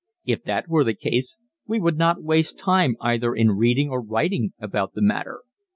If that were the case we would not waste time either in reading or writing about the matter.